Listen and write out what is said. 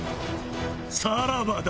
さらばだ！